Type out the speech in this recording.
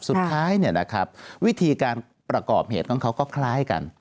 สุดท้ายวิธีการประกอบเหตุของเขาก็คล้ายกัน